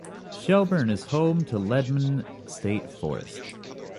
Shelburne is home to Leadmine State Forest.